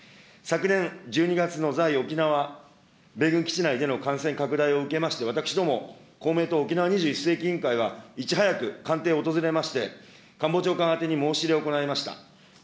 昨年１２月の在沖縄米軍基地内での感染拡大を受けまして、私ども、公明党２１世紀委員会は、いち早く官邸を訪れまして、官房長官宛てに申し入れを行いました。